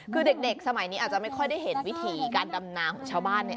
คือเด็กสมัยนี้อาจจะไม่ค่อยได้เห็นวิถีการดำนาของชาวบ้านเนี่ย